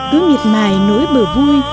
cứ miệt mài nối bờ vui